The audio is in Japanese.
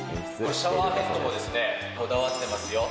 このシャワーヘッドもこだわってますよ。